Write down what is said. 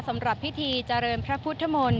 สำหรับพิธีเจริญพระพุทธมนตร์